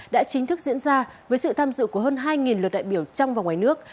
đã chính thức diễn ra với sự tham dự của hơn hai lượt đại biểu trong và ngoài nước